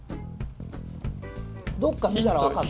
どっか見たら分かる？